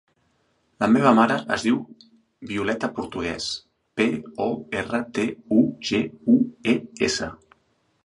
La meva mare es diu Violeta Portugues: pe, o, erra, te, u, ge, u, e, essa.